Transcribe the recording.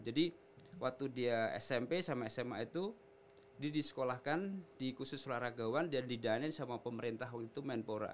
jadi waktu dia smp sama sma itu dia disekolahkan di khusus raragawan dan didanain sama pemerintah itu dinas pendidikan lah gitu